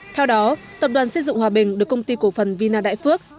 theo đó tập đoàn xây dựng hòa bình được công ty cổ phần vina đại phước